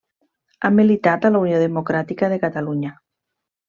Ha militat a la Unió Democràtica de Catalunya.